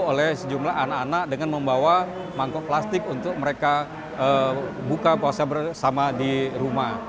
oleh sejumlah anak anak dengan membawa mangkok plastik untuk mereka buka puasa bersama di rumah